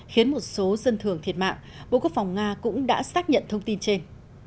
khiến một số dân thường thiệt mạng bộ quốc phòng nga cũng đã xác nhận thông tin trên